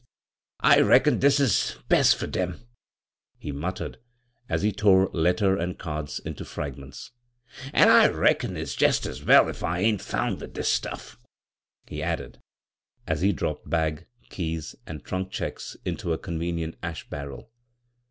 " Hm m, I reckon dis is best fur dem," he muttered, as he tore letter and cards into fragments ; "an' I reckon if s jest as well if I ain't found wi' dis stuff," he Eidded, as he dropped bag, keys and trunk checks into a convenient ash barrel.